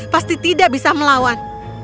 pasti tidak bisa melawan